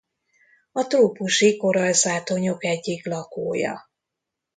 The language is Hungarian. A trópusi korallzátonyok egyik lakója.